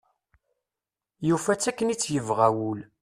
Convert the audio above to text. Yufa-tt akken i tt-yebɣa wul.